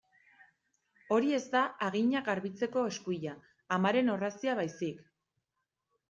Hori ez da haginak garbitzeko eskuila, amaren orrazia baizik.